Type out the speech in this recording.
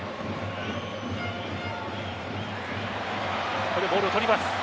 ここでボールを取ります。